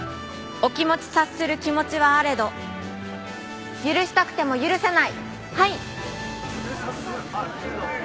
お気持ち察する気持ちはあれど許したくても許せない。